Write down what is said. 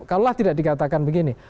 kalaulah tidak dikatakan begini